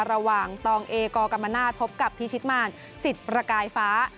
ตองเอกอกรรมนาศพบกับพิชิตมารสิทธิ์ประกายฟ้า